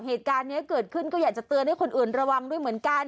เหตุการณ์นี้เกิดขึ้นก็อยากจะเตือนให้คนอื่นระวังด้วยเหมือนกัน